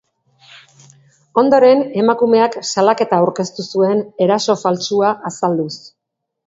Ondoren, emakumeak salaketa aurkeztu zuen eraso faltsua azalduz.